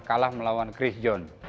kalah melawan chris john